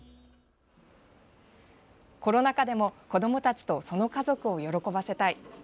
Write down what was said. コロナ禍でも、子どもたちとその家族を喜ばせたい。